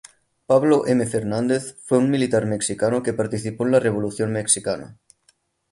Pablo M. Fernández fue un militar mexicano que participó en la Revolución mexicana.